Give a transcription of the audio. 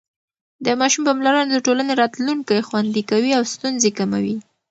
د ماشوم پاملرنه د ټولنې راتلونکی خوندي کوي او ستونزې کموي.